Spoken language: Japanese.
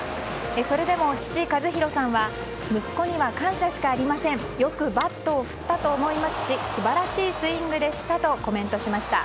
それでも父・和博さんは息子には感謝しかありませんよくバットを振ったと思いますし素晴らしいスイングでしたとコメントしました。